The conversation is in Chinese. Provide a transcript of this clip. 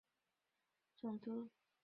让这些都督府实质上独立于总督。